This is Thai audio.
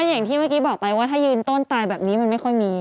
อย่างที่เมื่อกี้บอกไปว่าถ้ายืนต้นตายแบบนี้มันไม่ค่อยมี